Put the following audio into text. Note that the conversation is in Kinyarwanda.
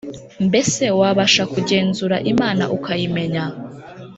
“mbese wabasha kugenzura imana ukayimenya’